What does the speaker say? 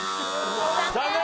残念。